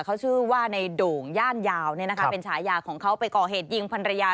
เขาชื่อว่าในโด่งย่านยาวเป็นฉายาของเขาไปก่อเหตุยิงภรรยา